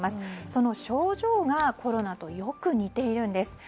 その症状がコロナとよく似ているんです。